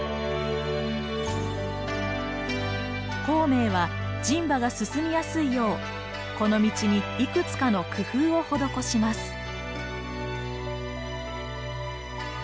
孔明は人馬が進みやすいようこの道にいくつかの工夫を施します。